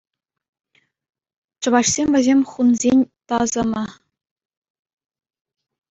Чӑвашсем вӗсем хунсен тӑсӑмӗ.